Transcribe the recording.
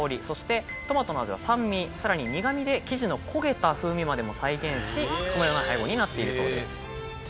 そしてトマトの味は「酸味」さらに「苦味」で生地の焦げた風味までも再現しこのような配合になっているそうです。